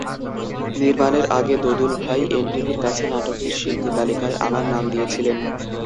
নির্মাণের আগে দোদুল ভাই এনটিভির কাছে নাটকটির শিল্পী তালিকায় আমার নাম দিয়েছিলেন।